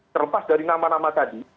terlepas dari nama nama tadi